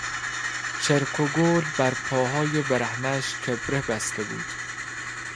چرک و گل بر پاهای برهنهاش کبره بسته بود.